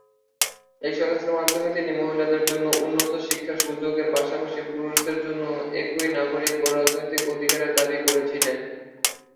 এই সংস্থার মাধ্যমে তিনি মহিলাদের জন্য উন্নত শিক্ষার সুযোগের পাশাপাশি পুরুষদের মতো একই নাগরিক ও রাজনৈতিক অধিকারের দাবি করেছিলেন।